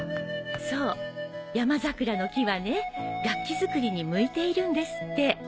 そう山桜の木はね楽器作りに向いているんですって。